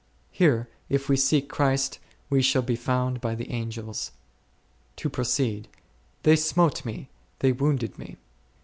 Here, if we seek Christ, we shall be found by the Angels. To proceed ; They smote me, they wounded me.